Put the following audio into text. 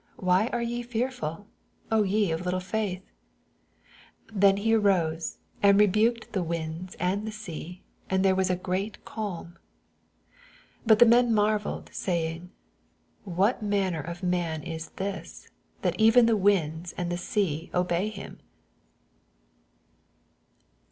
Why are ye fearftd, O ye of little fiuth t Then he arose, and rebuked the winda and the sea ; and there was a greal calm. 27 But the men marvelled, saying, What manner of man is this, that even the winds and the sea obey him!